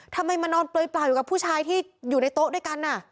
ทำไมมานอนเปลยเปล่าอยู่กับผู้ชายที่อยู่ในโต๊ะด้วยกัน